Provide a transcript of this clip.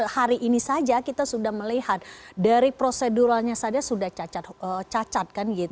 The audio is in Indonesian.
hari ini saja kita sudah melihat dari proseduralnya saja sudah cacat